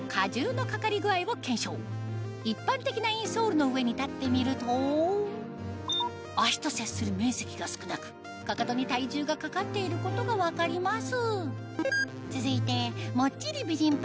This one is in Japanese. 続いての上に立ってみると足と接する面積が少なくかかとに体重がかかっていることが分かります